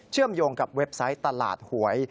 มโยงกับเว็บไซต์ตลาดหวย